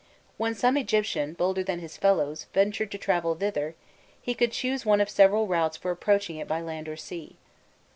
When some Egyptian, bolder than his fellows, ventured to travel thither, he could choose one of several routes for approaching it by land or sea.